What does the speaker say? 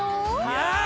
はい。